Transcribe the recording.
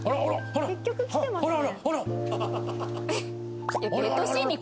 結局来てますね。